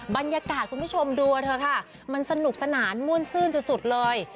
บรรยากาศคุณผู้ชมดูว่าเธอค่ะมันสนุกสนานม่วนซื่นสุดสุดเลย